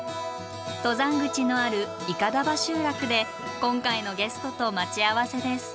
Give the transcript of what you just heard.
登山口のある筏場集落で今回のゲストと待ち合わせです。